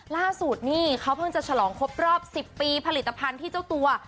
ล่าสุดนี่เขาเพิ่งจะฉลองครบรอบ๑๐ปีผลิตภัณฑ์ที่เจ้าตัว